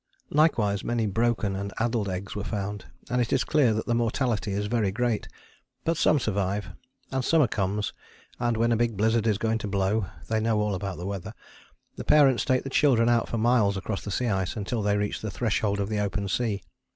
Likewise many broken and addled eggs were found, and it is clear that the mortality is very great. But some survive, and summer comes; and when a big blizzard is going to blow (they know all about the weather), the parents take the children out for miles across the sea ice, until they reach the threshold of the open sea.